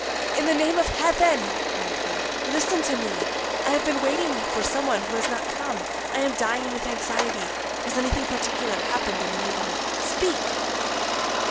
"In the name of heaven!" cried he, "listen to me; I have been waiting for someone who has not come. I am dying with anxiety. Has anything particular happened in the neighborhood? Speak!"